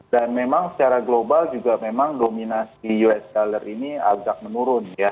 dan memang secara global juga memang dominasi us dollar ini agak menurun ya